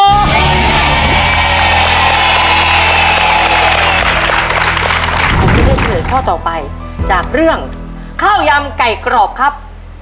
ขอบคุณที่ได้ชื่นข้อต่อไปจากเรื่องข้าวยามไก่กรอบครับ